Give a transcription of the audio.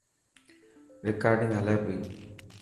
رڪارڊنگ هلي پئي.